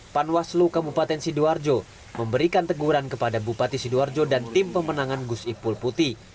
panwaslu kabupaten sidoarjo memberikan teguran kepada bupati sidoarjo dan tim pemenangan gus ipul putih